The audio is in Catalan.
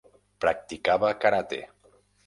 Practicava karate.